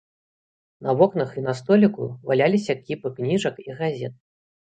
На вокнах і на століку валяліся кіпы кніжак і газет.